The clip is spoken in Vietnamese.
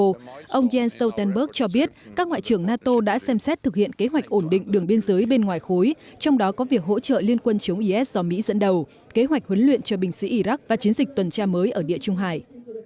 trong đó ông jens stoltenberg cho biết các ngoại trưởng nato đã xem xét thực hiện kế hoạch ổn định đường biên giới bên ngoài khối trong đó có việc hỗ trợ liên quân chống is do mỹ dẫn đầu kế hoạch huấn luyện cho binh sĩ iraq và chiến dịch tuần tra mới ở địa trung hải